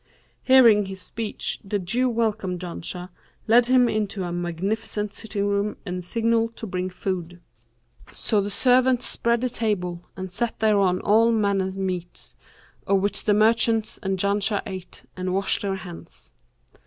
Hearing his speech the Jew welcomed Janshah, led him into a magnificent sitting room and signalled to bring food. So the servants spread the table and set thereon all manner meats, of which the merchant and Janshah ate, and washed their hands.